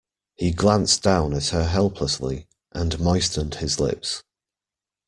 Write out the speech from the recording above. He glanced down at her helplessly, and moistened his lips.